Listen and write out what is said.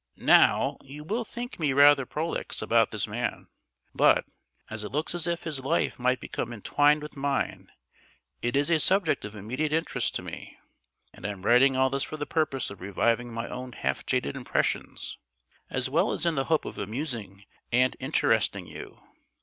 Now, you will think me rather prolix about this man; but, as it looks as if his life might become entwined with mine, it is a subject of immediate interest to me, and I am writing all this for the purpose of reviving my own half faded impressions, as well as in the hope of amusing and interesting you.